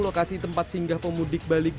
lokasi tempat singgah pemudik balik